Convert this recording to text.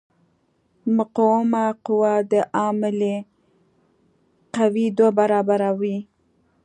مقاومه قوه د عاملې قوې دوه برابره وي.